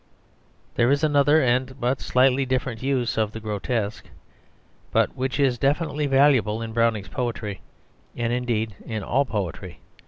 There is another and but slightly different use of the grotesque, but which is definitely valuable in Browning's poetry, and indeed in all poetry.